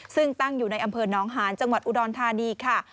ซึ่งตั้งอยู่ในอำเภอน้องหานจังหวัดอุดรธานีค่ะ